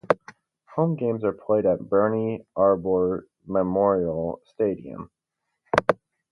Home games are played at Bernie Arbour Memorial Stadium.